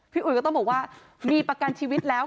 อุ๋ยก็ต้องบอกว่ามีประกันชีวิตแล้ว